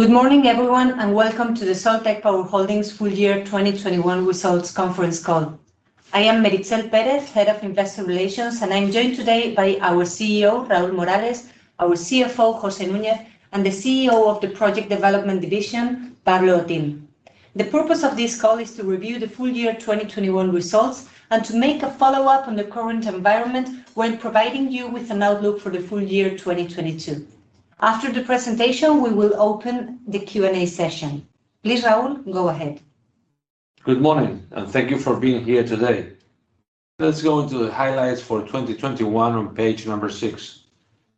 Good morning, everyone, and welcome to the Soltec Power Holdings full year 2021 results conference call. I am Meritxell Pérez, Head of Investor Relations, and I'm joined today by our CEO, Fernando Basabe, our CFO, José Núñez, and the CEO of the Project Development division, Pablo Otín. The purpose of this call is to review the full year 2021 results and to make a follow-up on the current environment when providing you with an outlook for the full year 2022. After the presentation, we will open the Q&A session. Please, Fernando, go ahead. Good morning, and thank you for being here today. Let's go into the highlights for 2021 on page 6.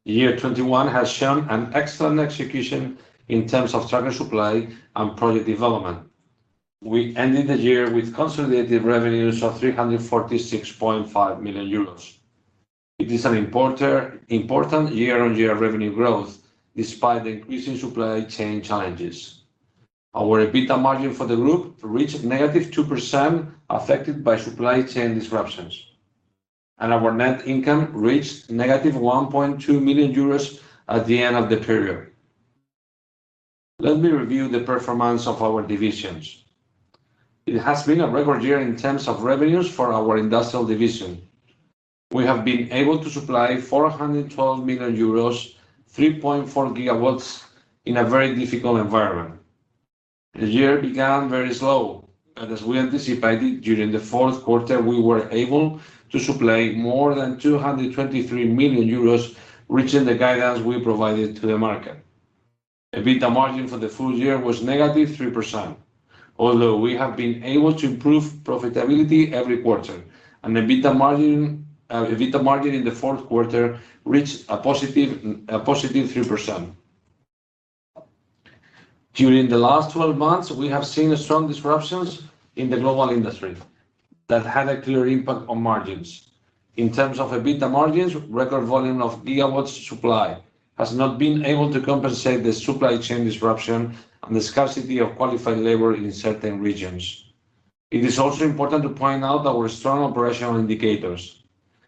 2021 has shown an excellent execution in terms of tracker supply and project development. We ended the year with consolidated revenues of 346.5 million euros. It is an important year-on-year revenue growth despite the increasing supply chain challenges. Our EBITDA margin for the group reached -2%, affected by supply chain disruptions, and our net income reached -1.2 million euros at the end of the period. Let me review the performance of our divisions. It has been a record year in terms of revenues for our industrial division. We have been able to supply 412 million euros, 3.4 GW in a very difficult environment. The year began very slow, but as we anticipated during the fourth quarter, we were able to supply more than 223 million euros, reaching the guidance we provided to the market. EBITDA margin for the full year was -3%, although we have been able to improve profitability every quarter, and EBITDA margin in the fourth quarter reached a positive 3%. During the last 12 months, we have seen strong disruptions in the global industry that had a clear impact on margins. In terms of EBITDA margins, record volume of gigawatts supply has not been able to compensate the supply chain disruption and the scarcity of qualified labor in certain regions. It is also important to point out our strong operational indicators.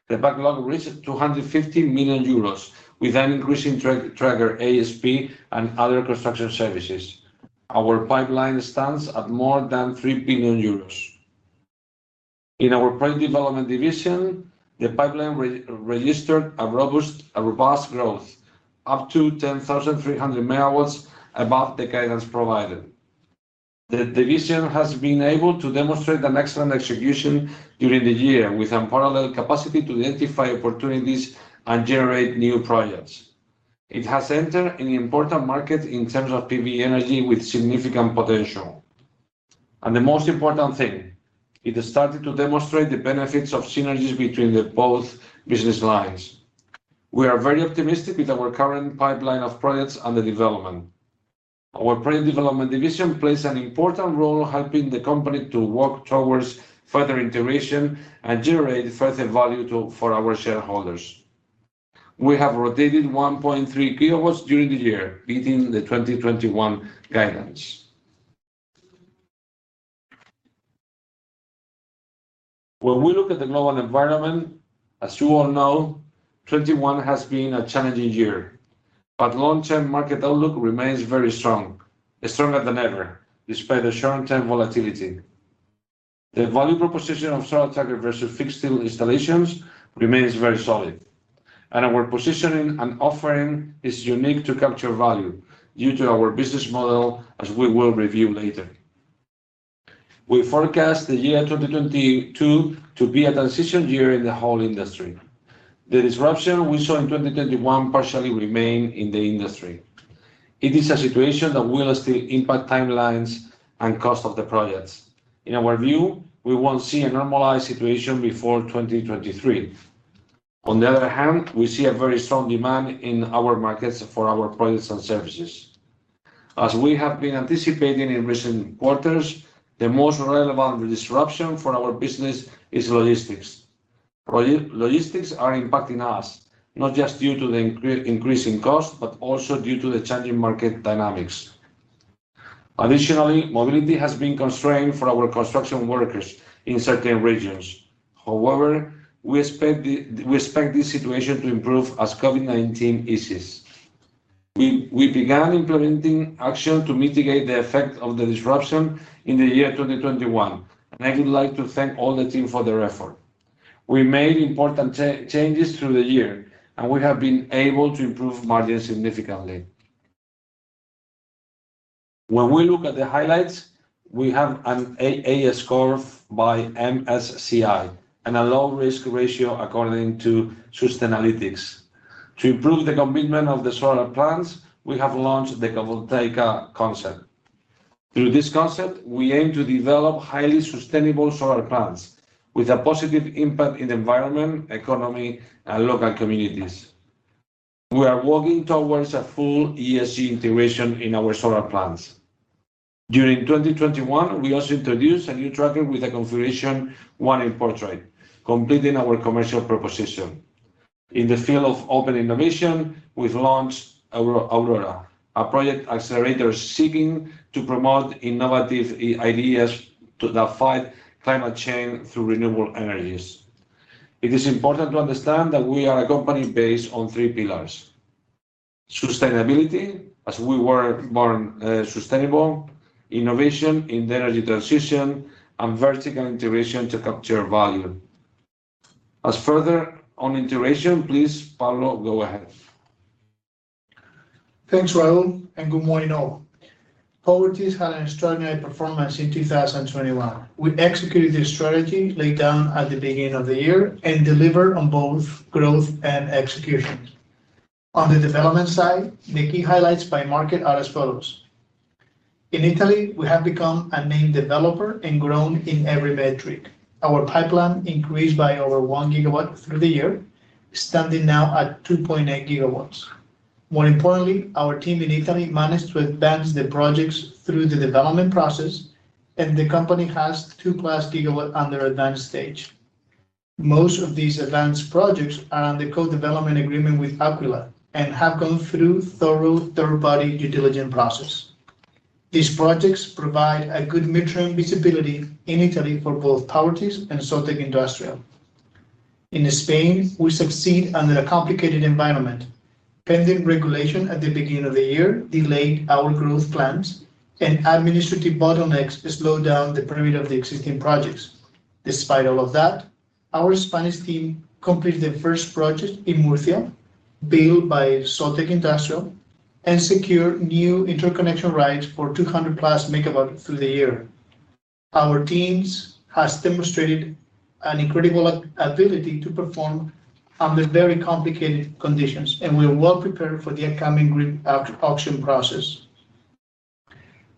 The backlog reached 250 million euros, with an increase in tracker ASP and other construction services. Our pipeline stands at more than 3 billion euros. In our project development division, the pipeline registered a robust growth, up to 10,300 MW above the guidance provided. The division has been able to demonstrate an excellent execution during the year with unparalleled capacity to identify opportunities and generate new projects. It has entered an important market in terms of PV energy with significant potential. The most important thing, it has started to demonstrate the benefits of synergies between both business lines. We are very optimistic with our current pipeline of projects under development. Our project development division plays an important role helping the company to work towards further integration and generate further value for our shareholders. We have rotated 1.3 gigawatts during the year, beating the 2021 guidance. When we look at the global environment, as you all know, 2021 has been a challenging year, but long-term market outlook remains very strong, stronger than ever, despite the short-term volatility. The value proposition of solar trackers versus fixed tilt installations remains very solid, and our positioning and offering is unique to capture value due to our business model, as we will review later. We forecast the year 2022 to be a transition year in the whole industry. The disruption we saw in 2021 partially remain in the industry. It is a situation that will still impact timelines and cost of the projects. In our view, we won't see a normalized situation before 2023. On the other hand, we see a very strong demand in our markets for our products and services. As we have been anticipating in recent quarters, the most relevant disruption for our business is logistics. Logistics are impacting us, not just due to the increasing cost, but also due to the changing market dynamics. Additionally, mobility has been constrained for our construction workers in certain regions. However, we expect this situation to improve as COVID-19 eases. We began implementing action to mitigate the effect of the disruption in the year 2021, and I would like to thank all the team for their effort. We made important changes through the year, and we have been able to improve margins significantly. When we look at the highlights, we have an A score by MSCI and a low risk ratio according to Sustainalytics. To improve the commitment of the solar plants, we have launched the Ecovoltaica concept. Through this concept, we aim to develop highly sustainable solar plants with a positive impact in the environment, economy, and local communities. We are working towards a full ESG integration in our solar plants. During 2021, we also introduced a new tracker with a configuration 1 in portrait, completing our commercial proposition. In the field of open innovation, we've launched Aurora, a project accelerator seeking to promote innovative ideas that fight climate change through renewable energies. It is important to understand that we are a company based on three pillars. Sustainability, as we were born sustainable. Innovation in the energy transition, and vertical integration to capture value. As for the integration, please, Pablo, go ahead. Thanks, Fernando Basabe, and good morning all. Powertis had an extraordinary performance in 2021. We executed the strategy laid down at the beginning of the year and delivered on both growth and execution. On the development side, the key highlights by market are as follows. In Italy, we have become a main developer and grown in every metric. Our pipeline increased by over 1 GW through the year, standing now at 2.8 GW. More importantly, our team in Italy managed to advance the projects through the development process, and the company has 2+ GW under advanced stage. Most of these advanced projects are under co-development agreement with Aquila Capital and have gone through thorough third-party due diligence process. These projects provide a good mid-term visibility in Italy for both Powertis and Soltec Industrial. In Spain, we succeed under a complicated environment. Pending regulation at the beginning of the year delayed our growth plans and administrative bottlenecks slowed down the permitting of the existing projects. Despite all of that, our Spanish team completed the first project in Murcia, built by Soltec Industrial, and secured new interconnection rights for 200+ MW throughout the year. our team has demonstrated an incredible ability to perform under very complicated conditions, and we are well prepared for the upcoming grid auction process.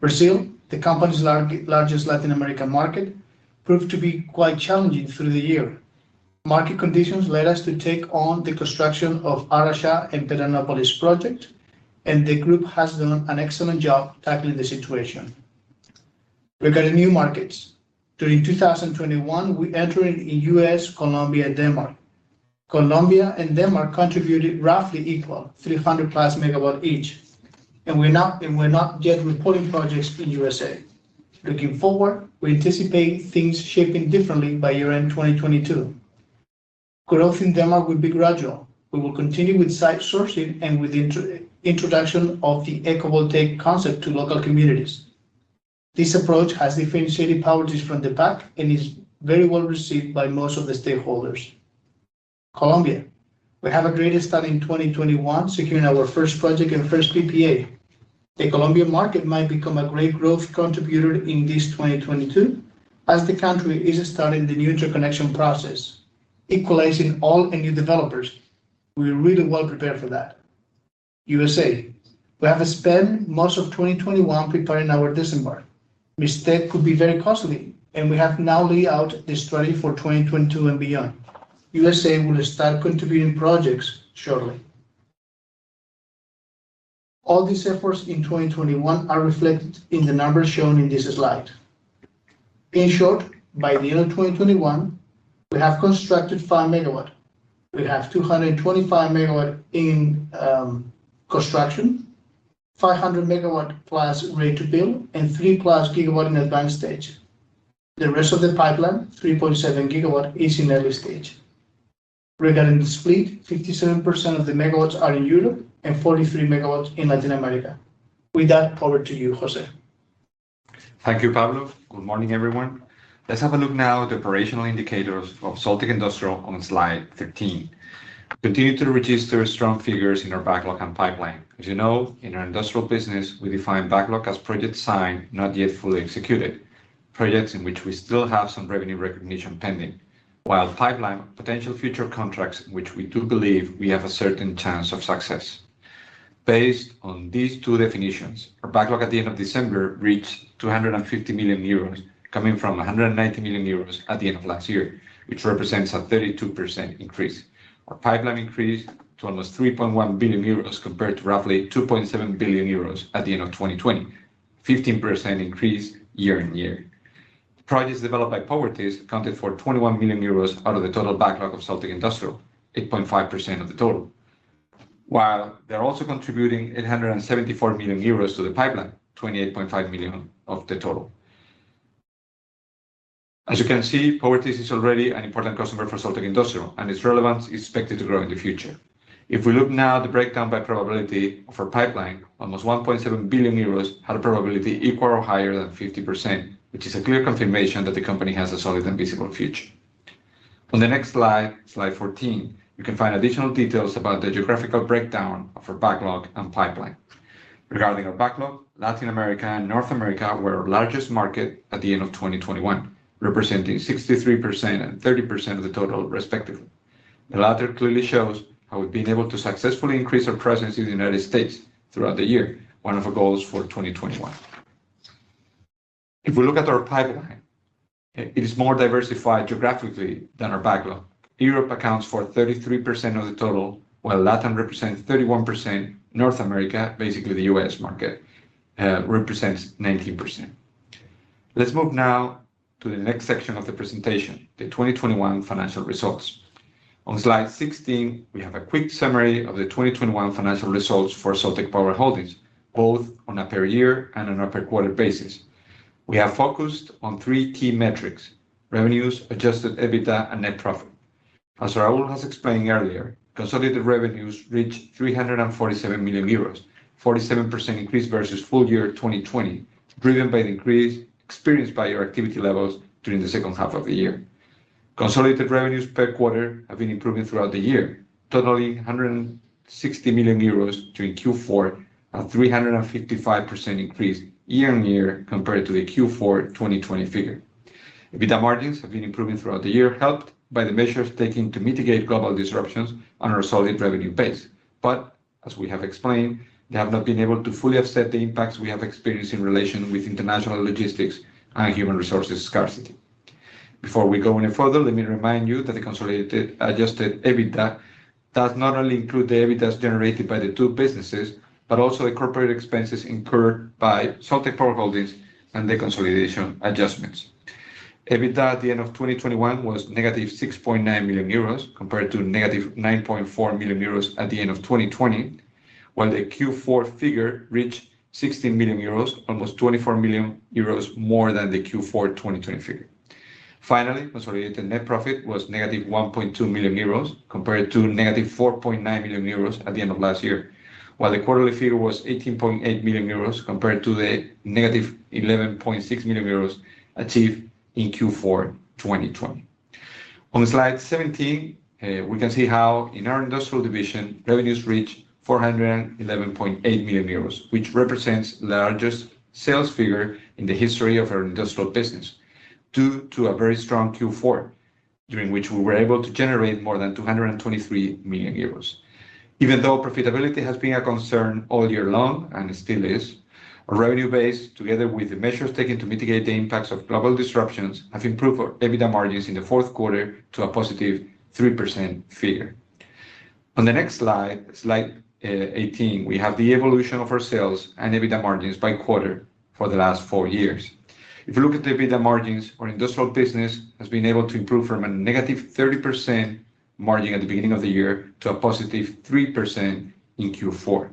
Brazil, the company's largest Latin American market, proved to be quite challenging throughout the year. Market conditions led us to take on the construction of Araxá and Pernambuco project, and the group has done an excellent job tackling the situation. Regarding new markets, during 2021, we entered the U.S., Colombia, and Denmark. Colombia and Denmark contributed roughly equal, 300+ MW each, and we're not yet reporting projects in the U.S. Looking forward, we anticipate things shaping differently by year-end 2022. Growth in Denmark will be gradual. We will continue with site sourcing and with introduction of the Ecovoltaica concept to local communities. This approach has differentiated Powertis from the pack and is very well-received by most of the stakeholders. Colombia. We have a great start in 2021, securing our first project and first PPA. The Colombian market might become a great growth contributor in 2022, as the country is starting the new interconnection process, equalizing all and new developers. We're really well prepared for that. USA. We have spent most of 2021 preparing our disembark. Mistake could be very costly, and we have now laid out the strategy for 2022 and beyond. U.S. will start contributing projects shortly. All these efforts in 2021 are reflected in the numbers shown in this slide. In short, by the end of 2021, we have constructed 5 MW. We have 225 MW in construction, 500 MW+ ready to build, and 3+ GW in advanced stage. The rest of the pipeline, 3.7 GW, is in early stage. Regarding the split, 57% of the megawatts are in Europe and 43% in Latin America. With that, over to you, José. Thank you, Pablo. Good morning, everyone. Let's have a look now at the operational indicators of Soltec Industrial on slide 13. Continue to register strong figures in our backlog and pipeline. As you know, in our industrial business, we define backlog as project signed, not yet fully executed, projects in which we still have some revenue recognition pending, while pipeline, potential future contracts which we do believe we have a certain chance of success. Based on these two definitions, our backlog at the end of December reached 250 million euros, coming from 190 million euros at the end of last year, which represents a 32% increase. Our pipeline increased to almost 3.1 billion euros compared to roughly 2.7 billion euros at the end of 2020. 15% increase year-on-year. Projects developed by Powertis accounted for 21 million euros out of the total backlog of Soltec Industrial, 8.5% of the total, while they're also contributing 874 million euros to the pipeline, 28.5% of the total. As you can see, Powertis is already an important customer for Soltec Industrial, and its relevance is expected to grow in the future. If we look now at the breakdown by probability of our pipeline, almost 1.7 billion euros had a probability equal to or higher than 50%, which is a clear confirmation that the company has a solid and visible future. On the next slide 14, you can find additional details about the geographical breakdown of our backlog and pipeline. Regarding our backlog, Latin America and North America were our largest market at the end of 2021, representing 63% and 30% of the total respectively. The latter clearly shows how we've been able to successfully increase our presence in the United States throughout the year, one of our goals for 2021. If we look at our pipeline, it is more diversified geographically than our backlog. Europe accounts for 33% of the total, while LatAm represents 31%. North America, basically the U.S. market, represents 19%. Let's move now to the next section of the presentation, the 2021 financial results. On slide 16, we have a quick summary of the 2021 financial results for Soltec Power Holdings, both on a per year and on a per quarter basis. We have focused on three key metrics: revenues, adjusted EBITDA, and net profit. As Fernando Basabe has explained earlier, consolidated revenues reached 347 million euros, 47% increase versus full year 2020, driven by the increase experienced by our activity levels during the second half of the year. Consolidated revenues per quarter have been improving throughout the year, totaling 160 million euros during Q4, a 355% increase year-on-year compared to the Q4 2020 figure. EBITDA margins have been improving throughout the year, helped by the measures taken to mitigate global disruptions on our solid revenue base. As we have explained, they have not been able to fully offset the impacts we have experienced in relation with international logistics and human resources scarcity. Before we go any further, let me remind you that the consolidated adjusted EBITDA does not only include the EBITDA generated by the two businesses, but also the corporate expenses incurred by Soltec Power Holdings and the consolidation adjustments. EBITDA at the end of 2021 was -6.9 million euros compared to -9.4 million euros at the end of 2020. While the Q4 figure reached 60 million euros, almost 24 million euros more than the Q4 2020 figure. Finally, consolidated net profit was -1.2 million euros compared to -4.9 million euros at the end of last year. While the quarterly figure was 18.8 million euros compared to the -11.6 million euros achieved in Q4 2020. On slide 17, we can see how in our industrial division, revenues reach 411.8 million euros, which represents the largest sales figure in the history of our industrial business, due to a very strong Q4, during which we were able to generate more than 223 million euros. Even though profitability has been a concern all year long, and it still is, our revenue base, together with the measures taken to mitigate the impacts of global disruptions, have improved our EBITDA margins in the fourth quarter to a positive 3% figure. On the next slide 18, we have the evolution of our sales and EBITDA margins by quarter for the last four years. If you look at the EBITDA margins, our industrial business has been able to improve from a negative 30% margin at the beginning of the year to a positive 3% in Q4.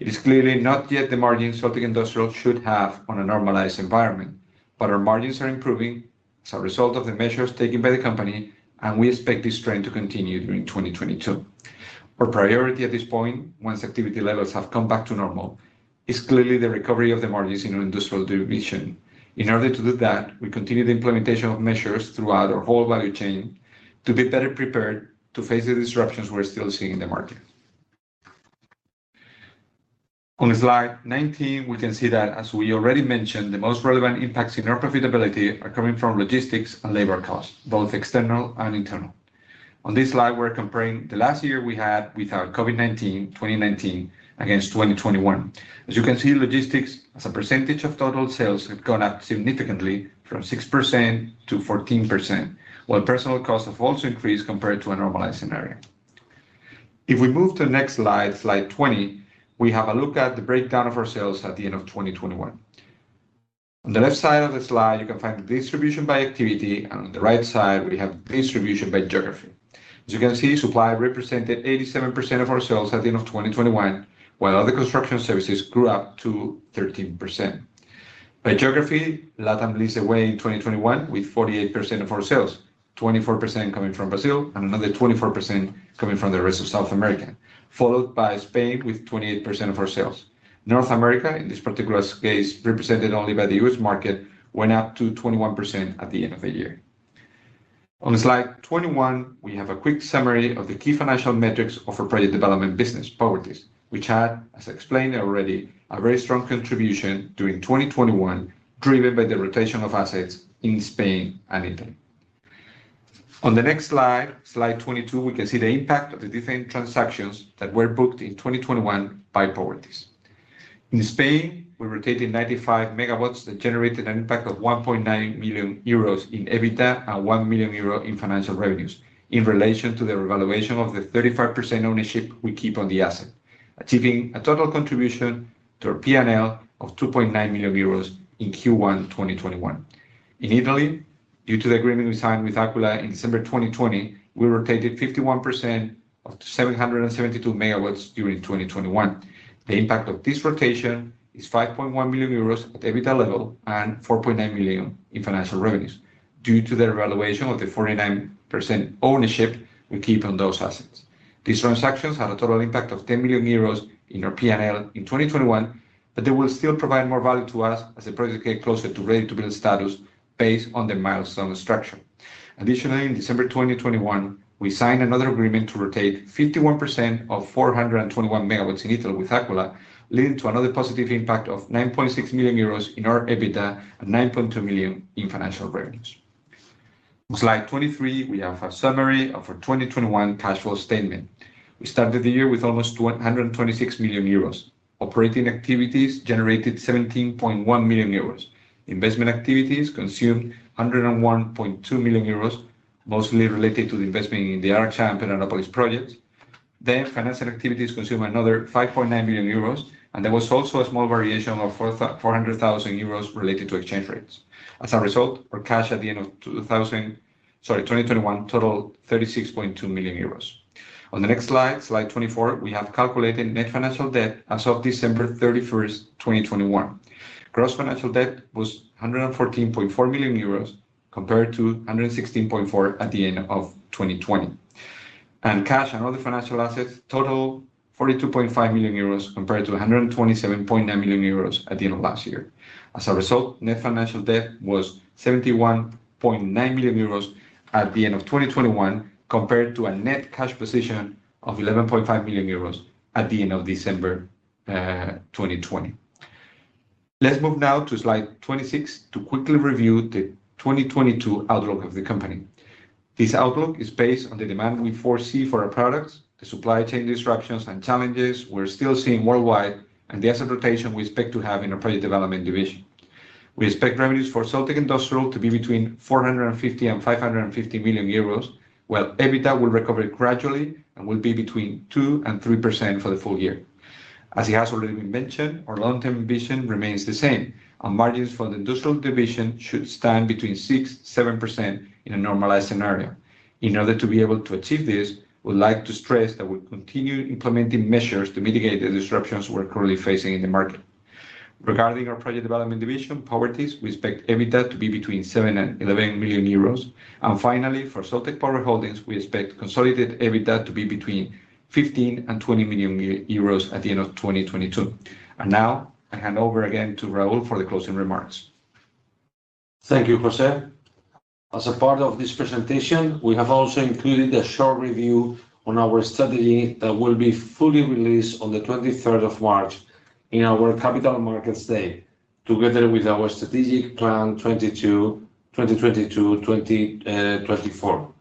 It is clearly not yet the margin Soltec Industrial should have on a normalized environment, but our margins are improving as a result of the measures taken by the company, and we expect this trend to continue during 2022. Our priority at this point, once activity levels have come back to normal, is clearly the recovery of the margins in our industrial division. In order to do that, we continue the implementation of measures throughout our whole value chain to be better prepared to face the disruptions we're still seeing in the market. On slide 19, we can see that as we already mentioned, the most relevant impacts in our profitability are coming from logistics and labor costs, both external and internal. On this slide, we're comparing the last year we had without COVID-19, 2019, against 2021. As you can see, logistics as a percentage of total sales have gone up significantly from 6% to 14%, while personal costs have also increased compared to a normalized scenario. If we move to the next slide 20, we have a look at the breakdown of our sales at the end of 2021. On the left side of the slide, you can find the distribution by activity, and on the right side, we have distribution by geography. As you can see, supply represented 87% of our sales at the end of 2021, while other construction services grew up to 13%. By geography, LATAM leads the way in 2021 with 48% of our sales, 24% coming from Brazil, and another 24% coming from the rest of South America, followed by Spain with 28% of our sales. North America, in this particular case, represented only by the U.S. market, went up to 21% at the end of the year. On slide 21, we have a quick summary of the key financial metrics of our project development business, Powertis, which had, as explained already, a very strong contribution during 2021, driven by the rotation of assets in Spain and Italy. On the next slide 22, we can see the impact of the different transactions that were booked in 2021 by Powertis. In Spain, we rotated 95 MW that generated an impact of 1.9 million euros in EBITDA and 1 million euro in financial revenues in relation to the revaluation of the 35% ownership we keep on the asset. Achieving a total contribution to our P&L of 2.9 million euros in Q1 2021. In Italy, due to the agreement we signed with Aquila in December 2020, we rotated 51% of 772 MW during 2021. The impact of this rotation is 5.1 million euros at EBITDA level and 4.9 million in financial revenues due to the revaluation of the 49% ownership we keep on those assets. These transactions had a total impact of 10 million euros in our P&L in 2021, but they will still provide more value to us as the projects get closer to Ready-to-Build status based on the milestone structure. Additionally, in December 2021, we signed another agreement to rotate 51% of 421 MW in Italy with Aquila, leading to another positive impact of 9.6 million euros in our EBITDA and 9.2 million in financial revenues. On slide 23, we have a summary of our 2021 cash flow statement. We started the year with almost 126 million euros. Operating activities generated 17.1 million euros. Investment activities consumed 101.2 million euros, mostly related to the investment in the Araxá and Pedranópolis projects. Financial activities consume another 5.9 million euros, and there was also a small variation of 400,000 euros related to exchange rates. As a result, our cash at the end of 2021 totaled 36.2 million euros. On the next slide 24, we have calculated net financial debt as of December 31, 2021. Gross financial debt was 114.4 million euros compared to 116.4 million at the end of 2020. Cash and other financial assets total 42.5 million euros, compared to 127.9 million euros at the end of last year. As a result, net financial debt was 71.9 million euros at the end of 2021, compared to a net cash position of 11.5 million euros at the end of December 2020. Let's move now to slide 26 to quickly review the 2022 outlook of the company. This outlook is based on the demand we foresee for our products, the supply chain disruptions and challenges we're still seeing worldwide, and the asset rotation we expect to have in our Project Development division. We expect revenues for Soltec Industrial to be between 450 million and 550 million euros, while EBITDA will recover gradually and will be between 2% and 3% for the full year. As it has already been mentioned, our long-term vision remains the same, and margins for the Industrial Division should stand between 6%-7% in a normalized scenario. In order to be able to achieve this, we'd like to stress that we'll continue implementing measures to mitigate the disruptions we're currently facing in the market. Regarding our Project Development Division, Properties, we expect EBITDA to be between 7 million and 11 million euros. Finally, for Soltec Power Holdings, we expect consolidated EBITDA to be between 15 million and 20 million euros at the end of 2022. Now I hand over again to Raúl for the closing remarks. Thank you, José. As a part of this presentation, we have also included a short review on our strategy that will be fully released on the 23rd of March in our Capital Markets Day, together with our strategic plan 2022, 2020 to 2024.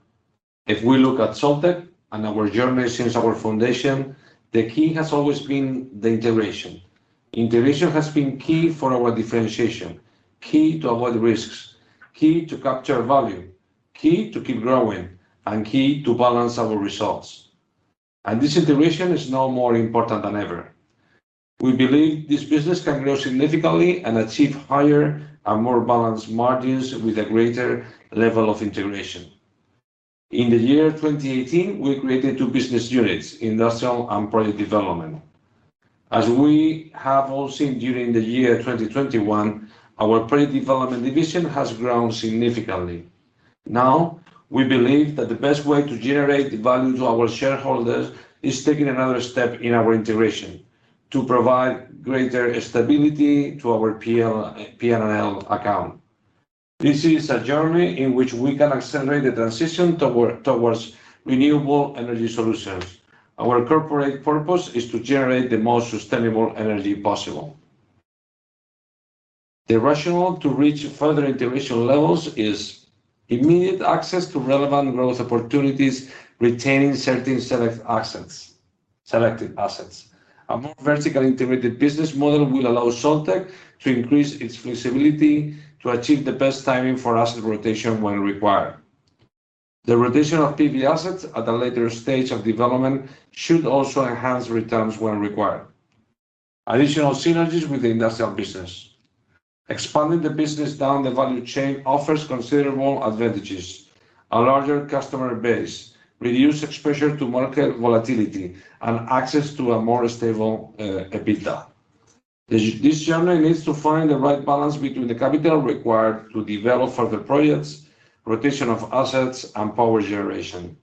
If we look at Soltec and our journey since our foundation, the key has always been the integration. Integration has been key for our differentiation, key to avoid risks, key to capture value, key to keep growing, and key to balance our results. This integration is now more important than ever. We believe this business can grow significantly and achieve higher and more balanced margins with a greater level of integration. In the year 2018, we created two business units, Industrial and Project Development. As we have all seen during the year 2021, our Project Development division has grown significantly. Now, we believe that the best way to generate the value to our shareholders is taking another step in our integration to provide greater stability to our P&L account. This is a journey in which we can accelerate the transition toward renewable energy solutions. Our corporate purpose is to generate the most sustainable energy possible. The rationale to reach further integration levels is immediate access to relevant growth opportunities, retaining certain select assets. A more vertically integrated business model will allow Soltec to increase its flexibility to achieve the best timing for asset rotation when required. The rotation of PV assets at a later stage of development should also enhance returns when required. Additional synergies with the Industrial business. Expanding the business down the value chain offers considerable advantages. A larger customer base, reduced exposure to market volatility, and access to a more stable EBITDA. This journey needs to find the right balance between the capital required to develop further projects, rotation of assets, and power generation.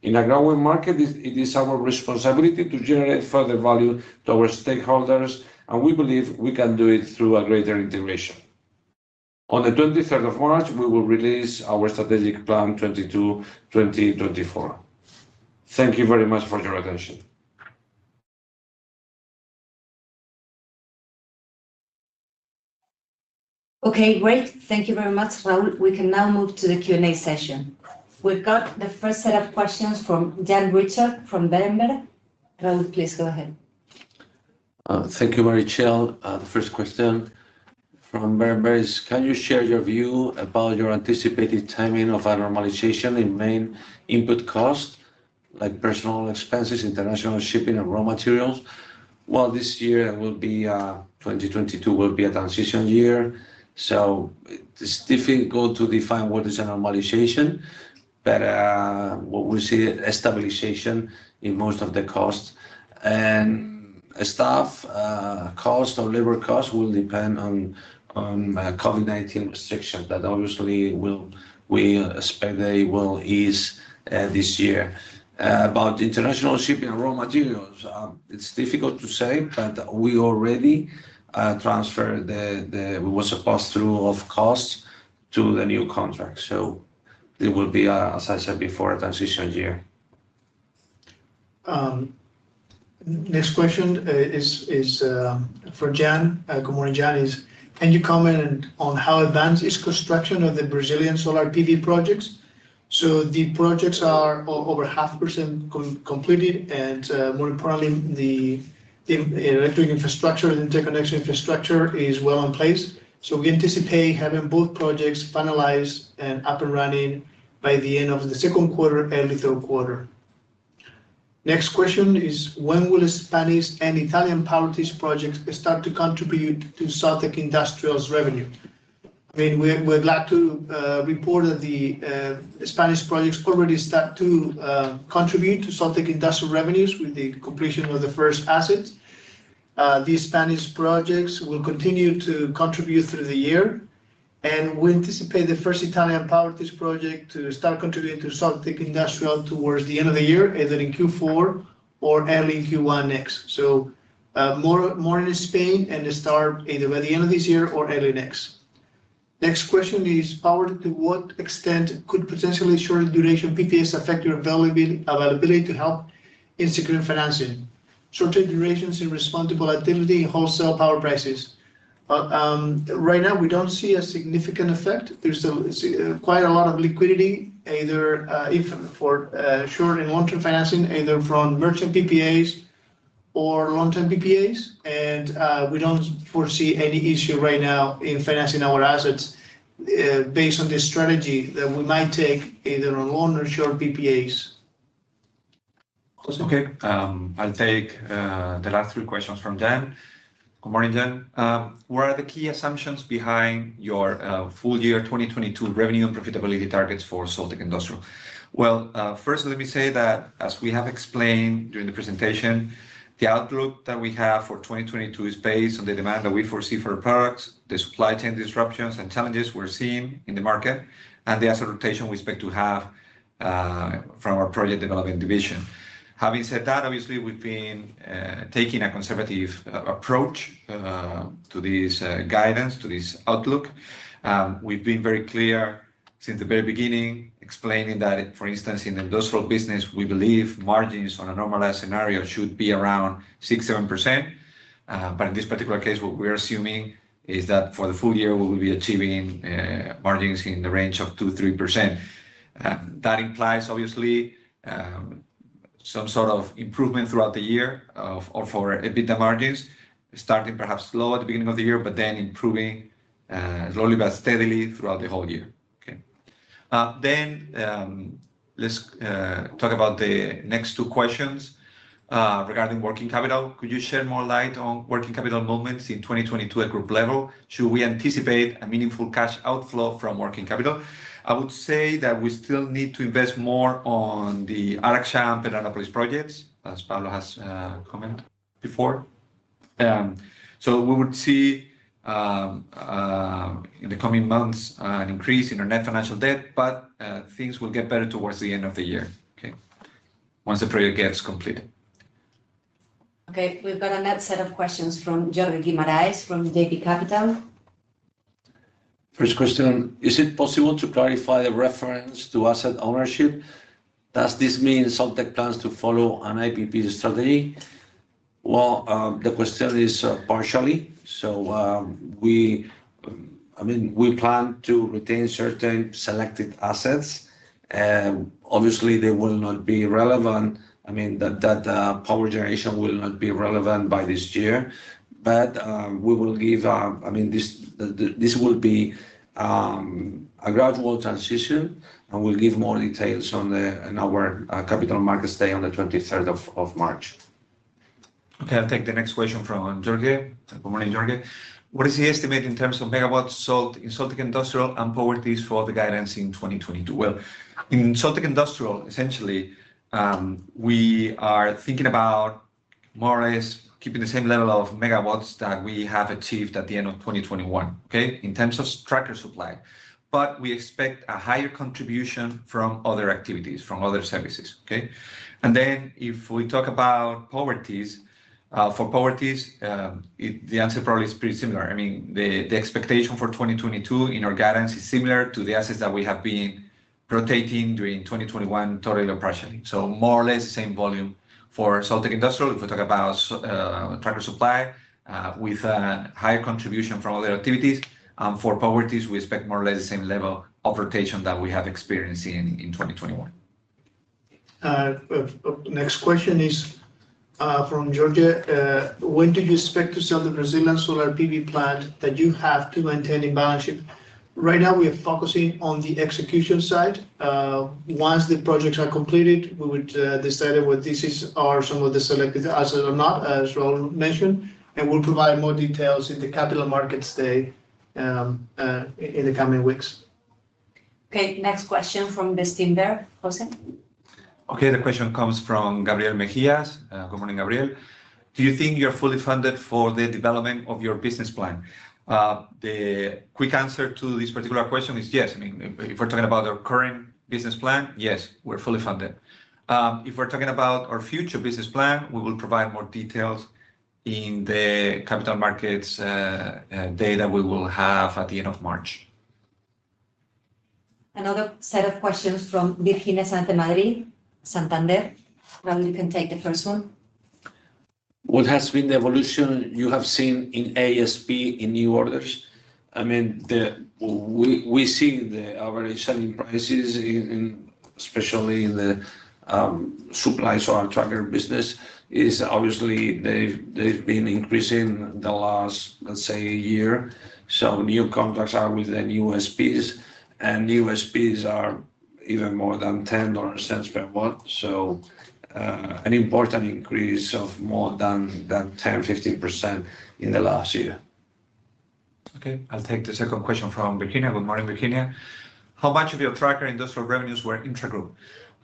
In a growing market, it is our responsibility to generate further value to our stakeholders, and we believe we can do it through a greater integration. On the 23rd of March, we will release our strategic plan 2022-2024. Thank you very much for your attention. Okay, great. Thank you very much, Fernando Basabe. We can now move to the Q&A session. We've got the first set of questions from Jan Richard from Berenberg. Fernando Basabe, please go ahead. Thank you, Meritxell. The first question from Berenberg is, "Can you share your view about your anticipated timing of a normalization in main input costs, like personnel expenses, international shipping, and raw materials?" Well, this year, 2022, will be a transition year, so it is difficult to define what is a normalization. What we see, stabilization in most of the costs. Staff cost or labor cost will depend on COVID-19 restrictions that obviously we expect they will ease this year. About international shipping raw materials, it's difficult to say, but we already have a pass-through of costs to the new contract. It will be, as I said before, a transition year. Next question is for Jan Richard. Good morning, Jan Richard. "Can you comment on how advanced is construction of the Brazilian solar PV projects?" The projects are over 50% completed, and more importantly, the electric infrastructure, the interconnection infrastructure is well in place. We anticipate having both projects finalized and up and running by the end of the second quarter, early third quarter. Next question is, when will the Spanish and Italian Powertis projects start to contribute to Soltec Industrial's revenue? I mean, we're glad to report that the Spanish projects already start to contribute to Soltec Industrial revenues with the completion of the first assets. These Spanish projects will continue to contribute through the year, and we anticipate the first Italian Powertis project to start contributing to Soltec Industrial towards the end of the year, either in Q4 or early in Q1 next. More in Spain and they start either by the end of this year or early next. Next question is, to what extent could potentially short duration PPAs affect your availability to help in securing financing, shorter durations and responsiveness to volatility in wholesale power prices? Right now, we don't see a significant effect. There's still quite a lot of liquidity, either for short and long-term financing, either from merchant PPAs or long-term PPAs. We don't foresee any issue right now in financing our assets, based on the strategy that we might take either on long or short PPAs. José. Okay. I'll take the last three questions from Jan Richard. Good morning, Jan Richard. What are the key assumptions behind your full year 2022 revenue and profitability targets for Soltec Industrial? Well, first let me say that as we have explained during the presentation, the outlook that we have for 2022 is based on the demand that we foresee for our products, the supply chain disruptions and challenges we're seeing in the market, and the asset rotation we expect to have from our project development division. Having said that, obviously, we've been taking a conservative approach to this guidance, to this outlook. We've been very clear since the very beginning explaining that, for instance, in Industrial business, we believe margins on a normalized scenario should be around 6%-7%. In this particular case, what we're assuming is that for the full year, we will be achieving margins in the range of 2%-3%. That implies obviously some sort of improvement throughout the year of, or for EBITDA margins, starting perhaps slow at the beginning of the year, but then improving slowly but steadily throughout the whole year. Okay. Let's talk about the next two questions regarding working capital. Could you shed more light on working capital movements in 2022 at group level? Should we anticipate a meaningful cash outflow from working capital? I would say that we still need to invest more on the Araxá and Pernambuco projects, as Pablo has commented before. We would see, in the coming months, an increase in our net financial debt, but things will get better towards the end of the year, okay? Once the project gets completed. Okay, we've got a next set of questions from Jorge Guimarães from JB Capital Markets. First question, is it possible to clarify the reference to asset ownership? Does this mean Soltec plans to follow an IPP strategy? The question is partially. We plan to retain certain selected assets. Obviously, they will not be relevant. I mean, power generation will not be relevant by this year. This will be a gradual transition, and we'll give more details on this in our Capital Markets Day on the 23rd of March. Okay, I'll take the next question from Jorge. Good morning, Jorge. What is the estimate in terms of megawatts sold in Soltec Industrial and Powertis for the guidance in 2022? Well, in Soltec Industrial, essentially, we are thinking about more or less keeping the same level of megawatts that we have achieved at the end of 2021, okay? In terms of tracker supply. We expect a higher contribution from other activities, from other services, okay? If we talk about Powertis, the answer probably is pretty similar. I mean, the expectation for 2022 in our guidance is similar to the assets that we have been rotating during 2021 total disposition. More or less the same volume for Soltec Industrial. If we talk about tracker supply, with a higher contribution from other activities. For Powertis, we expect more or less the same level of rotation that we have experienced in 2021. Next question is from Jorge Guimarães. When do you expect to sell the Brazilian solar PV plant that you have to maintain in balance sheet? Right now, we are focusing on the execution side. Once the projects are completed, we would decide whether these are some of the selected assets or not, as Fernando Basabe mentioned, and we'll provide more details in the Capital Markets Day, in the coming weeks. Okay, next question from Okay, the question comes from Gabriel Megías. Good morning, Gabriel. Do you think you're fully funded for the development of your business plan? The quick answer to this particular question is yes. I mean, if we're talking about our current business plan, yes, we're fully funded. If we're talking about our future business plan, we will provide more details in the Capital Markets Day that we will have at the end of March. Another set of questions from Virginia Santamaría, Santander. Fernando Basabe, you can take the first one. What has been the evolution you have seen in ASP in new orders? I mean, we see the average selling prices in, especially in the supply, so our tracker business, is obviously they've been increasing the last, let's say, a year. New contracts are with the new ASPs. New SPs are even more than $0.10 per watt. An important increase of more than 10%-15% in the last year. Okay. I'll take the second question from Virginia Santamaría. Good morning, Virginia Santamaría. How much of your tracker industrial revenues were intragroup?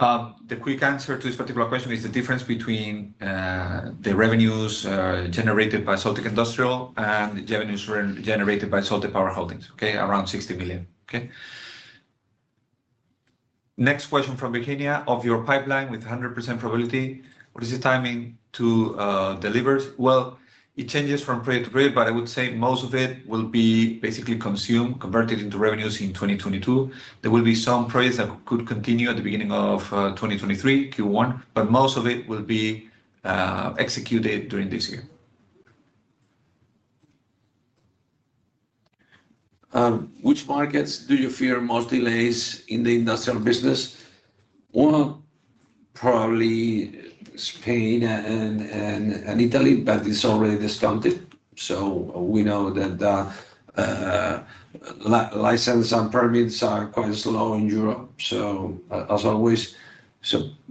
The quick answer to this particular question is the difference between the revenues generated by Soltec Industrial and the revenues generated by Soltec Power Holdings. Okay? Around 60 million. Okay? Next question from Virginia Santamaría. Of your pipeline, with 100% probability, what is the timing to deliver? Well, it changes from period to period, but I would say most of it will be basically consumed, converted into revenues in 2022. There will be some periods that could continue at the beginning of 2023, Q1, but most of it will be executed during this year. Which markets do you fear most delays in the industrial business? One, probably Spain and Italy, but it's already discounted. We know that license and permits are quite slow in Europe, so as always.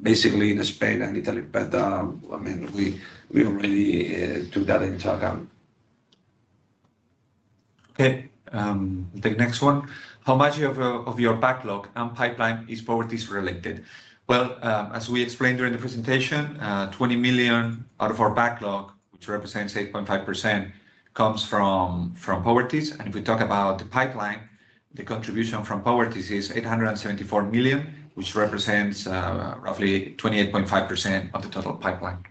Basically in Spain and Italy. I mean, we already took that into account. The next one. How much of your backlog and pipeline is Powertis related? As we explained during the presentation, 20 million out of our backlog, which represents 8.5%, comes from Powertis. If we talk about the pipeline, the contribution from Powertis is 874 million, which represents roughly 28.5% of the total pipeline.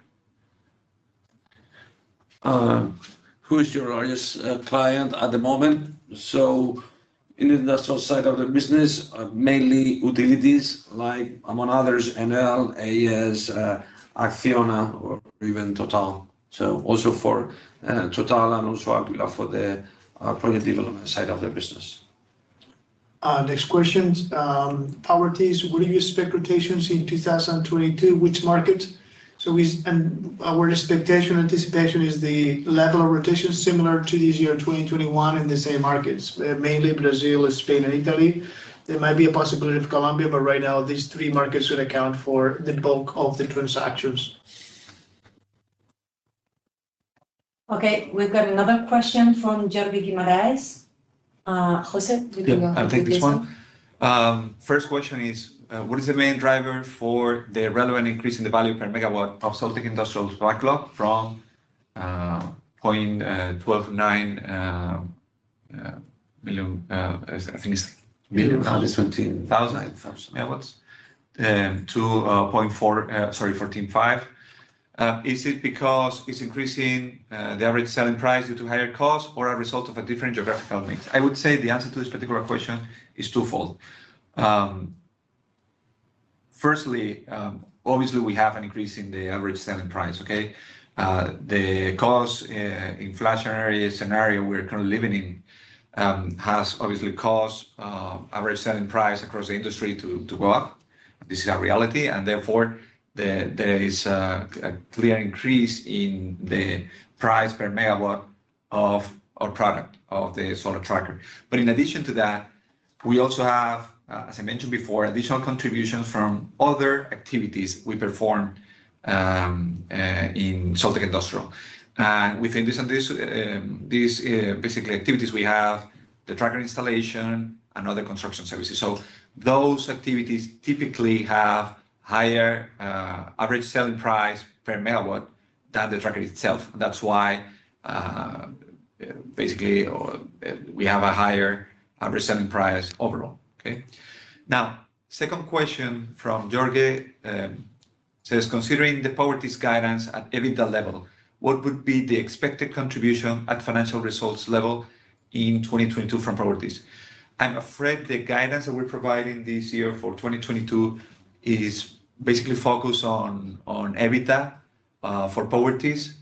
Who is your largest client at the moment? In the industrial side of the business, mainly utilities like, among others, Enel, AES, Acciona or even TotalEnergies. Also for TotalEnergies and also Aquila Capital for the project development side of the business. Next question. Powertis, will you expect rotations in 2022? Which market? Our expectation, anticipation is the level of rotation similar to this year, 2021, in the same markets, mainly Brazil, Spain and Italy. There might be a possibility of Colombia, but right now, these three markets would account for the bulk of the transactions. Okay, we've got another question from Jorge Guimarães. José, you can go ahead with this one. Yeah, I'll take this one. First question is, what is the main driver for the relevant increase in the value per megawatt of Soltec Industrial's backlog from 0.129 million, I think it's million 1,000 MW to 0.4, sorry, 14.5. Is it because it's increasing the average selling price due to higher costs or a result of a different geographical mix? I would say the answer to this particular question is twofold. Firstly, obviously we have an increase in the average selling price. Okay? The costs, inflationary scenario we're kind of living in has obviously caused average selling price across the industry to go up. This is our reality, and therefore there is a clear increase in the price per megawatt of our product, of the solar tracker. But in addition to that, we also have, as I mentioned before, additional contributions from other activities we perform in Soltec Industrial. Within these basically activities, we have the tracker installation and other construction services. Those activities typically have higher average selling price per megawatt than the tracker itself. That's why we have a higher average selling price overall. Okay? Now, second question from Jorge says, considering the Powertis guidance at EBITDA level, what would be the expected contribution at financial results level in 2022 from Powertis? I'm afraid the guidance that we're providing this year for 2022 is basically focused on EBITDA for Powertis,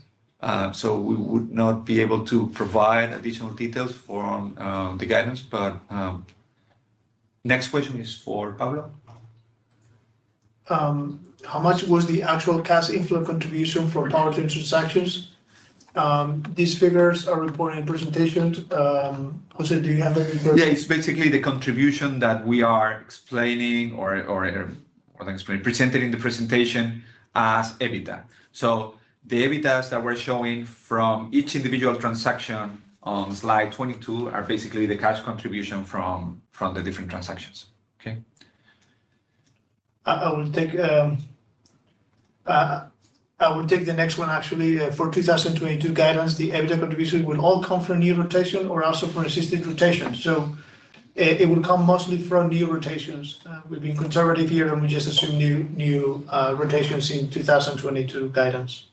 so we would not be able to provide additional details for the guidance. Next question is for Pablo. How much was the actual cash inflow contribution for Powertis transactions? These figures are reported in presentations. José Núñez, do you have any further- Yeah, it's basically the contribution that we are explaining, presenting in the presentation as EBITDA. The EBITDA that we're showing from each individual transaction on slide 22 are basically the cash contribution from the different transactions. Okay? I will take the next one, actually. For 2022 guidance, the EBITDA contribution will all come from new rotation or also from assisted rotation. It will come mostly from new rotations. We've been conservative here, and we just assume new rotations in 2022 guidance.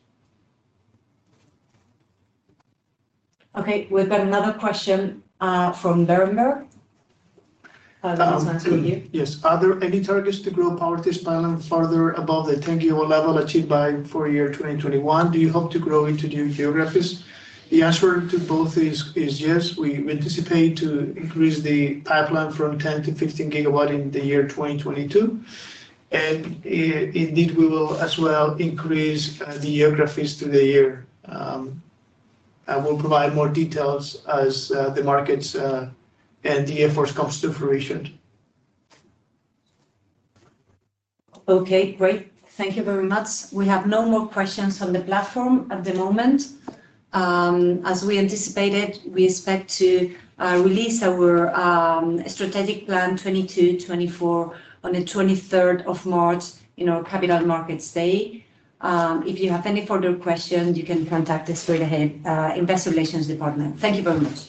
Okay, we've got another question from Werner. Pablo, this one's for you. Yes. Are there any targets to grow Powertis pipeline further above the 10 GW level achieved by full year 2021? Do you hope to grow into new geographies? The answer to both is yes. We anticipate to increase the pipeline from 10 GW-15 GW in the year 2022. Indeed, we will as well increase the geographies through the year. We'll provide more details as the markets and the efforts come to fruition. Okay. Great. Thank you very much. We have no more questions on the platform at the moment. As we anticipated, we expect to release our strategic plan 2022-2024 on the 23rd of March in our Capital Markets Day. If you have any further questions, you can contact us straight ahead, Investor Relations Department. Thank you very much.